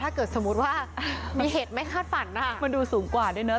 ถ้าเกิดสมมุติว่ามีเหตุไม่คาดฝันมันดูสูงกว่าด้วยเนอะ